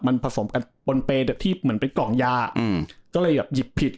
มันผสมกันบนเปรย์ที่เหมือนเป็นกล่องยาอืมก็เลยแบบหยิบผิด